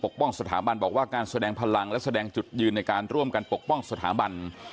ป้องสถาบันบอกว่าการแสดงพลังและแสดงจุดยืนในการร่วมกันปกป้องสถาบัน